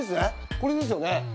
これですよね？